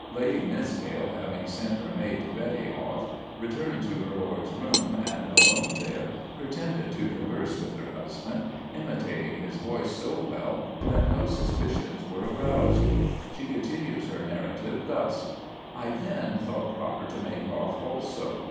Lady Nithsdale, having sent "her maid Betty" off, returned to her lord's room, and, alone there, pretended to converse with her husband, imitating his voice so well that no suspicions were aroused. She continues her narrative thus: "I then thought proper to make off also.